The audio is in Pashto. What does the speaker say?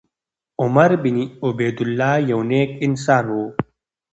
عمر بن عبیدالله یو نېک انسان و.